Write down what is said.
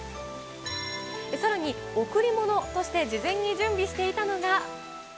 さらに、贈り物として事前に準備していたのが。